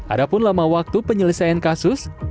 adapun lama waktu penyelesaian kasus